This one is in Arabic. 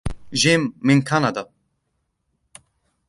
جيم من كندا.